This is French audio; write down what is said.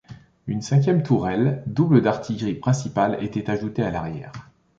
Une cinquième tourelle double d'artillerie principale était ajoutée à l'arrière.